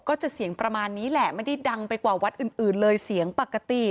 ก็จะเสียงประมาณนี้แหละไม่ได้ดังไปกว่าวัดอื่นเลยเสียงปกติ